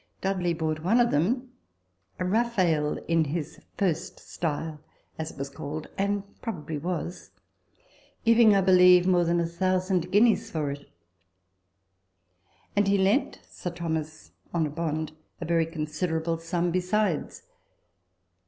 Dudley bought one of them (a Raphael, in his first style, as it was TABLE TALK OF SAMUEL ROGERS 145 called, and probably was), giving, I believe, more than a thousand guineas for it ; and he lent Sir Thomas, on a bond, a very considerable sum besides.